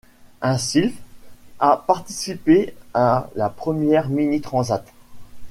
Un Sylphe a participé à la première Mini-Transat.